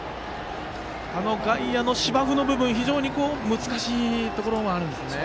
あの外野の芝生の部分非常に難しいところがあるんですね。